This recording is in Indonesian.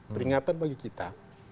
peringatan bagi kita